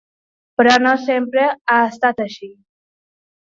Però no sempre ha estat així.